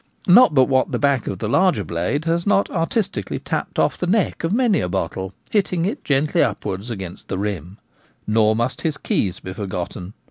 Not but what the back of the larger blade has not artistically tapped off the neck of many a bottle, His Personal Appearance. hitting it gently upwards against the rim. Nor must his keys be forgotten.